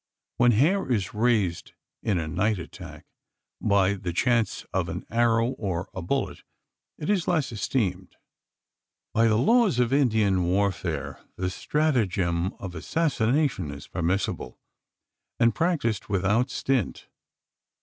When "hair is raised" in a night attack by the chance of an arrow or a bullet it is less esteemed. By the laws of Indian warfare the stratagem of assassination is permissible, and practised without stint.